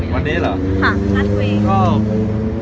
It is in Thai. วันนี้คุยอะไรกันบ้าง